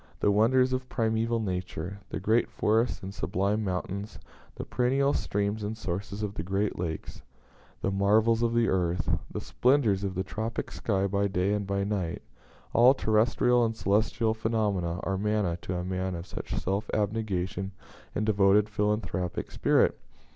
The wonders of primeval nature, the great forests and sublime mountains, the perennial streams and sources of the great lakes, the marvels of the earth, the splendors of the tropic sky by day and by night all terrestrial and celestial phenomena are manna to a man of such self abnegation and devoted philanthropic spirit.